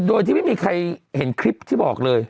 โดยที่ไม่มีใครเห็นคลิปที่บอกเลย